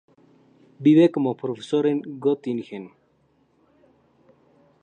Vive como profesor en Göttingen.